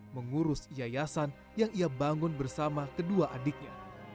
mengurus yayasan yang ia bangun bersama kedua adiknya